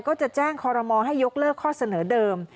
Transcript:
ก็จะแจ้งคอรมอลให้ยกเลิกข้อเสนอเดิม